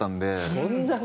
そんなに？